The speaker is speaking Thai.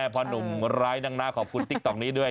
พ่อนุ่มไลค์ดังนั้นขอบคุณติ๊กตอกนี้ด้วย